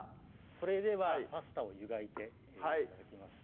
それではパスタを湯がいて頂きます